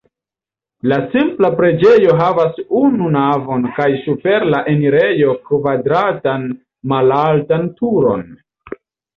La simpla preĝejo havas unu navon kaj super la enirejo kvadratan malaltan turon.